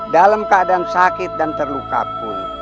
dalam keadaan sakit dan terluka pun